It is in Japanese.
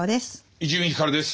伊集院光です。